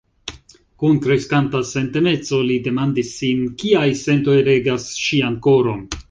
Kun kreskanta sentemeco li demandis sin, kiaj sentoj regas ŝian koron.